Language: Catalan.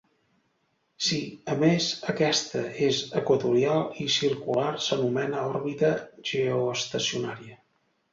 Si, a més, aquesta és equatorial i circular s'anomena òrbita geoestacionària.